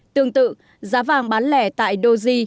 tương tự giá vàng bán lẻ tại doji